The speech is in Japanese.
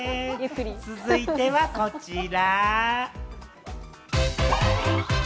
続いては、こちら。